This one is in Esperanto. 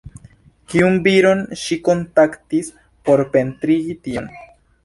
Kiun viron ŝi kontaktis por pentrigi tion?